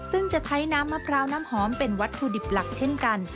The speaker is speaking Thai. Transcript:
ซึ่งจะใช้น้ำมะพร้าวน้ำหอมเป็นวัตถุดิบหลักเช่นกัน